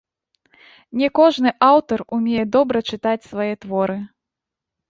Не кожны аўтар умее добра чытаць свае творы.